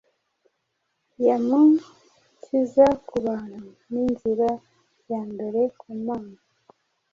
Yumukiza kubantu, ninzira yambere kumana